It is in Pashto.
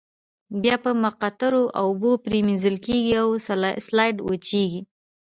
بیا په مقطرو اوبو پریمنځل کیږي او سلایډ وچیږي.